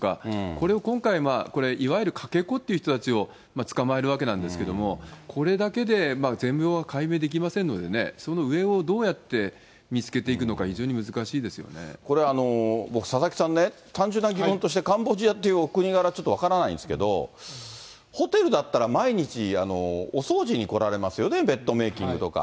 これを今回はこれ、いわゆるかけ子っていう人たちを捕まえるわけなんですけれども、これだけで全容は解明できませんのでね、その上をどうやって見つけていくのか、これ、僕、佐々木さんね、単純な疑問として、カンボジアっていうお国柄、ちょっと分からないんですけど、ホテルだったら、毎日お掃除に来られますよね、ベッドメーキングだとか。